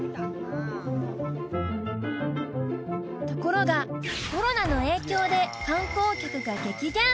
ところがコロナの影響で観光客が激減